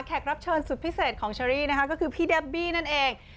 รับเชิญสุดพิเศษของเชอรี่นะคะก็คือพี่เดบบี้นั่นเอง